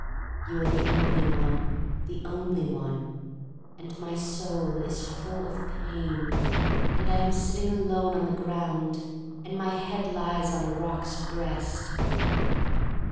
You are the only one, the only one — and my soul is full of pain, and I am sitting alone on the ground, and my head lies on a rock's breast.